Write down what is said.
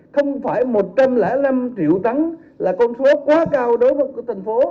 không phải một trăm linh năm triệu tấn là con số quá cao đối với thành phố